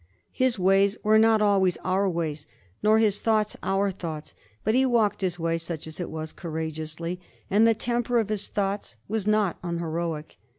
His ways were not al ways our ways, nor his thoughts our thoughts ; but he walked his way, such as it was, courageously, and the tem per of his thoughts was not unheroic.